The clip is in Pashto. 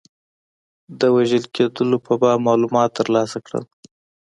د وژل کېدلو په باب معلومات ترلاسه کړل.